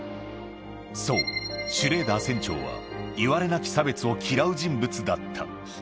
そう、シュレーダー船長は、いわれなき差別を嫌う人物だった。